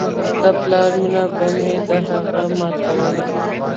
د پلار مينه به مې په هغه ماتوله.